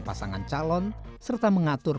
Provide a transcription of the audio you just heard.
pasangan calon serta mengatur